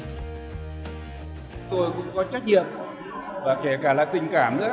chúng tôi cũng có trách nhiệm và kể cả là tình cảm